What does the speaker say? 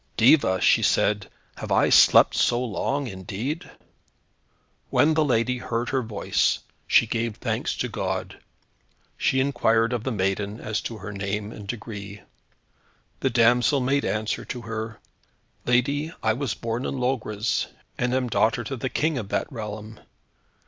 "Diva," she said, "have I slept so long, indeed!" When the lady heard her voice she gave thanks to God. She inquired of the maiden as to her name and degree. The damsel made answer to her, "Lady, I was born in Logres, and am daughter to the King of that realm.